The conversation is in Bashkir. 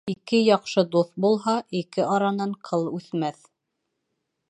Ике яҡшы дуҫ булһа, ике аранан ҡыл үҫмәҫ.